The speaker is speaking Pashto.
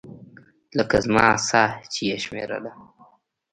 لکه زما ساه چې يې شمېرله.